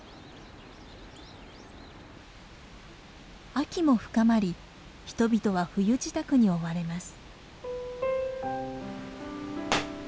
秋も深まり人々は冬支度に追われます。